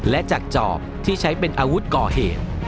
และจากจอบที่ใช้เป็นอาวุธก่อเหตุ